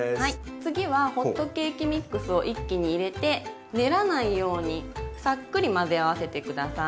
次はホットケーキミックスを一気に入れて練らないようにさっくり混ぜ合わせて下さい。